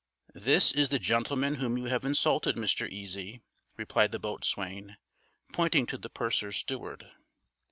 "This is the gentleman whom you have insulted, Mr. Easy," replied the boatswain, pointing to the purser's Steward.